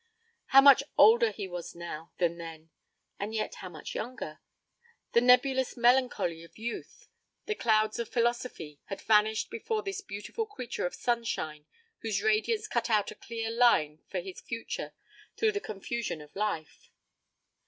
How much older he was now than then and yet how much younger! The nebulous melancholy of youth, the clouds of philosophy, had vanished before this beautiful creature of sunshine whose radiance cut out a clear line for his future through the confusion of life.